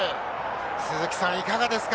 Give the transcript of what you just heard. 鈴木さん、いかがですか？